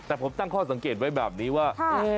แต่ผมตั้งข้อสังเกตไว้แบบนี้ว่า